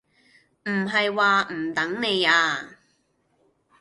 唔係話唔等你啊